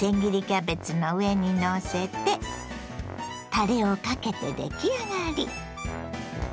キャベツの上にのせてたれをかけて出来上がり。